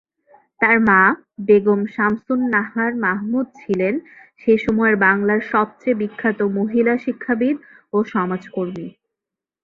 তার মা বেগম শামসুন নাহার মাহমুদ ছিলেন সে সময়ের বাংলার সবচেয়ে বিখ্যাত মহিলা শিক্ষাবিদ ও সমাজকর্মী।